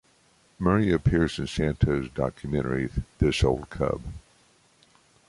Murray appears in Santo's documentary, "This Old Cub".